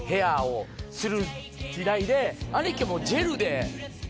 兄貴も。